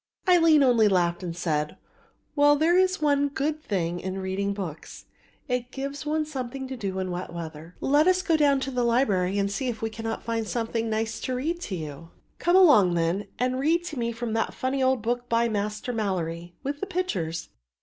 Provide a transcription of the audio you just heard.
Aline only laughed and said: "Well, there is one good thing in reading books, it gives one something to do in wet weather. Let us go down to the library and see if I cannot find something nice to read to you." "Come along, then, and read to me from that funny old book by Master Malory, with the pictures."